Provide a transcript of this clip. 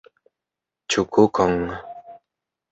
Ĉu kukon?